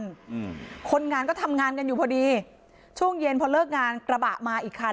อืมคนงานก็ทำงานกันอยู่พอดีช่วงเย็นพอเลิกงานกระบะมาอีกคัน